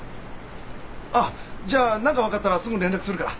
あっじゃあ何か分かったらすぐに連絡するから。